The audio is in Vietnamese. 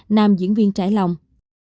nam diễn viên trải lòng